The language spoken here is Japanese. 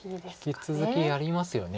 引き続きやりますよね